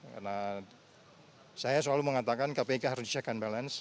karena saya selalu mengatakan kpk harus di check and balance